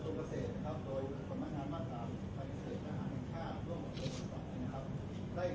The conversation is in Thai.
ศักดิ์นะครับโดยศักดิ์อาหารมาตรามีด้านเมล็ดละสามไว้